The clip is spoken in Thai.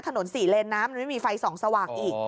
ถนน๔เลนน้ำมันไม่มีไฟส่องสว่างอีก